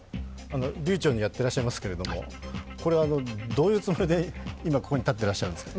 流ちょうにやっていらっしゃいますけれどもこれ、あの、どういうつもりで今ここに立っていらっしゃるんですか？